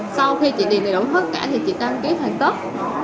sau khi chị tiền đầy đủ hết cả thì chị đăng ký hoàn tất